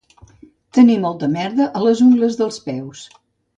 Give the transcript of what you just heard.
Tenir molta merda a les ungles dels peus.